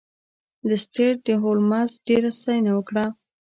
لیسټرډ د هولمز ډیره ستاینه وکړه.